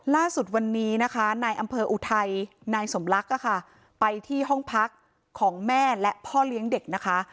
ล่าสุดวันนี้นะคะนายอำเภออุทัยนายสมลักษณ์ไปที่ห้องพักของแม่และพ่อเลี้ยงเด็กนะคะ